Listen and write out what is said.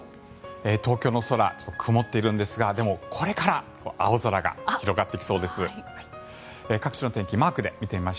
東京の空、曇っているんですがでもこれから青空が広がってきそうです。